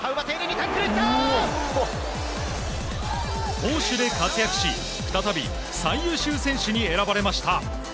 攻守で活躍し再び最優秀選手に選ばれました。